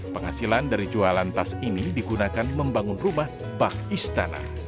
penghasilan dari jualan tas ini digunakan membangun rumah bakistan